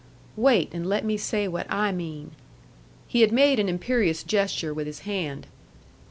"Wait, and let me say what I mean." He had made an imperious gesture with his hand.